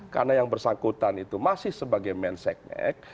karena yang bersangkutan itu masih sebagai mensenggeng